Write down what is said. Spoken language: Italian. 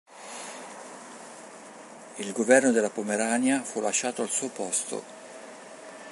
Il governo della Pomerania fu lasciato al suo posto.